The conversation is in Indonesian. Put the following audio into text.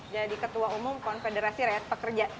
jadi ketua umum konfederasi rakyat pekerja